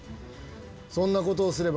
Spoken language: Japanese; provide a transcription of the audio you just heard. そんなことをすれば